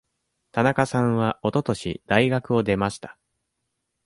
田中さんはおととし大学を出ました。